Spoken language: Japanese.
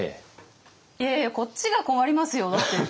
いやいやこっちが困りますよ。